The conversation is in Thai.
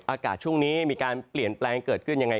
อากาศช่วงนี้มีการเปลี่ยนแปลงเกิดขึ้นยังไง